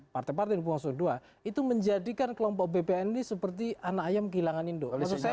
partai partai kubu dua itu menjadikan kelompok bpn ini seperti anak ayam kilangan indo